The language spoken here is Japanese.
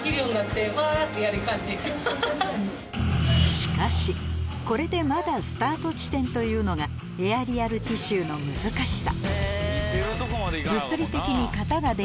しかしこれでというのがエアリアルティシューの難しさ